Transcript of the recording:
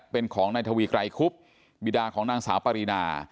เป็นของนายทวีไกรคุบบิดาของนางสาวปรินา